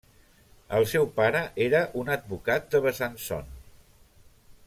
El seu pare era un advocat de Besançon.